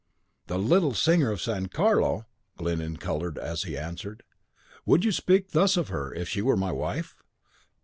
The little singer of San Carlo! Glyndon coloured as he answered, "Would you speak thus of her if she were my wife?"